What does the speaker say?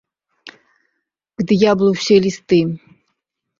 К д'яблу ўсе лісты!